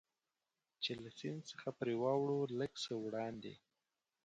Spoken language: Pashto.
چې له سیند څخه پرې واوړو، لږ څه وړاندې.